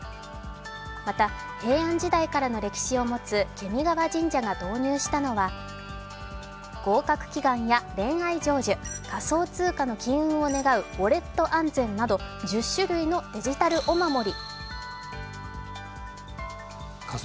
また平安時代からの歴史を持つ検見川神社が導入したのは合格祈願や恋愛成就、仮想通貨の金運を願うウォレット安全など１０種類のデジタルお守り。